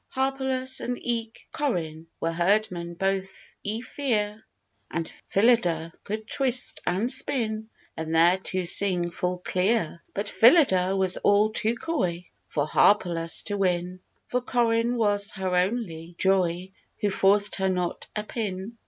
Harpalus and eke Corin Were herdmen, both yfere; And Phylida could twist and spin, And thereto sing full clear. But Phylida was all too coy For Harpalus to win; For Corin was her only joy, Who forced her not a pin.